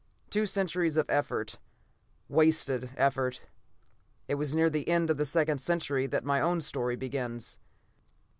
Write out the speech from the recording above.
Two centuries of effort wasted effort. It was near the end of the second century that my own story begins.